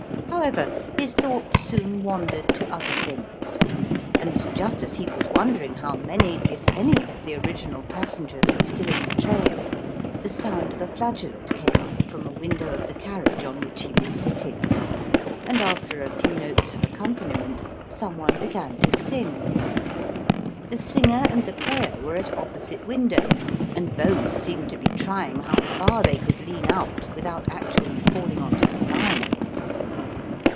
However, his thoughts soon wandered to other things, and just as he was wondering how many, if any of the original passengers were still in the train, the sound of a flageolet came up from a window of the carriage on which he was sitting, and 24 The rolling stock continues to roll, after a few notes of accompaniment some one began to sing. The singer and the player were at opposite windows, and both seemed to be trying how far they could lean out without actually falling on to the line.